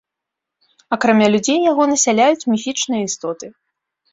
Акрамя людзей яго насяляюць міфічныя істоты.